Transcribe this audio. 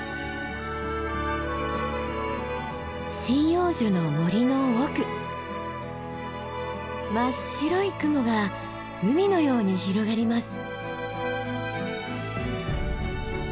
針葉樹の森の奥真っ白い雲が海のように広がります。